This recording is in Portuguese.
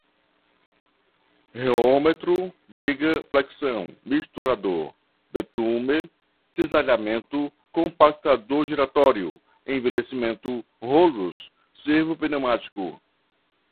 reômetro, viga, flexão, misturador, betume, cisalhamento, compactador giratório, envelhecimento, rolos, servo-pneumático